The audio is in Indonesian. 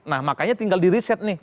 nah makanya tinggal di riset nih